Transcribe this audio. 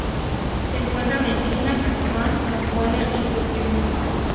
Se encuentran en China, Kazajistán, Mongolia y Turkmenistán.